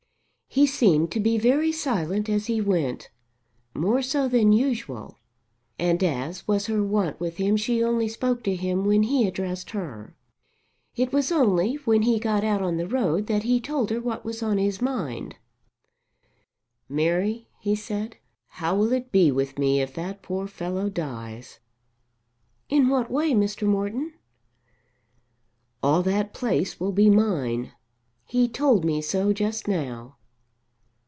He seemed to be very silent as he went, more so than usual, and as was her wont with him she only spoke to him when he addressed her. It was only when he got out on the road that he told her what was on his mind. "Mary," he said, "how will it be with me if that poor fellow dies?" "In what way, Mr. Morton?" "All that place will be mine. He told me so just now."